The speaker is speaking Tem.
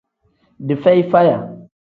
Dii feyi faya.